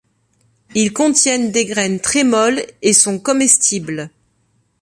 Ils contiennent des graines très molles et sont comestibles.